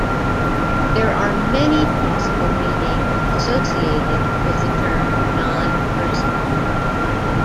There are many possible meanings associated with the term "nonperson".